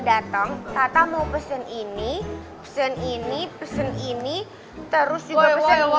datang tata mau pesen ini pesen ini pesen ini terus gue woi woi sadar dong tak lepasan karbon